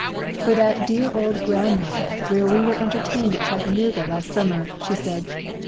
"For that dear old grandmother where we were entertained at Chattanooga last summer," she said.